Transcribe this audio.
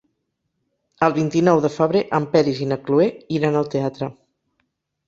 El vint-i-nou de febrer en Peris i na Cloè iran al teatre.